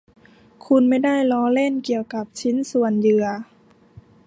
คุณไม่ได้ล้อเล่นเกี่ยวกับชิ้นส่วนเหยื่อ